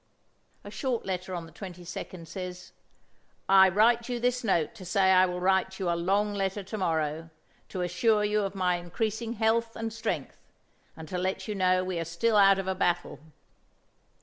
A short letter on the 22d says: "I write you this note to say I will write you a long letter to morrow, to assure you of my increasing health and strength, and to let you know we are still out of a battle.